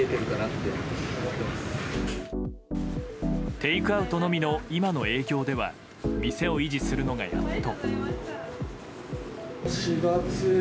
テイクアウトのみの今の営業では店を維持するのが、やっと。